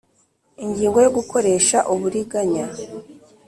ingingo yo gukoresha uburiganya